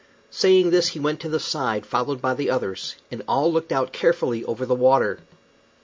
Saying this, he went to the side, followed by the others, and all looked out carefully over the water.